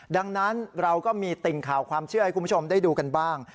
ดังนั้นเราก็มีติ่งข่าวความเชื่อให้คุณผู้ชมได้ดูกันบ้าง